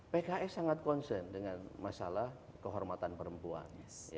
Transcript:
pks sangat concern dengan masalah kehormatan perempuan